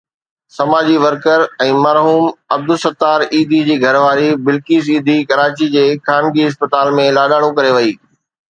سماجي ورڪر ۽ مرحوم عبدالستار ايڌي جي گهر واري بلقيس ايڌي ڪراچي جي خانگي اسپتال ۾ لاڏاڻو ڪري وئي.